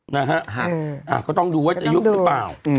นะฮะก็ต้องดูว่าจะยุบหรือเปล่า